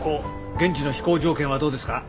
現地の飛行条件はどうですか？